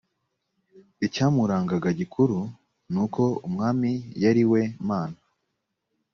icyamurangaga gikuru nuko umwami yari we mana